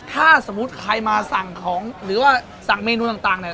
ถ้าสมมุติใครมาสั่งของหรือว่าสั่งเมนูต่างเนี่ย